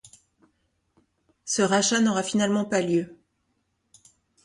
Ce rachat n'aura finalement pas lieu.